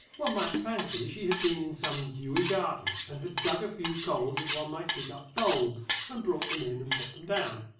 One might fancy she had been in some dewy garden and had dug a few coals as one might dig up bulbs, and brought them in and put them down.